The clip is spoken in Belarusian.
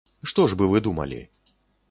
Што ж бы вы думалі?